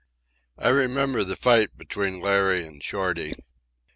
I remember the fight between Larry and Shorty.